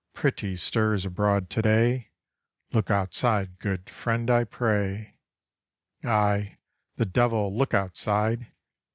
Pretty stir's abroad to day; Look outside, good friend, I pray! Ay, the devil! look outside!